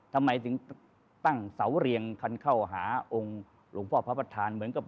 ทำไมถึงตั้งเสาเรียงคันเข้าหาองค์หลวงพ่อพระประธานเหมือนกับ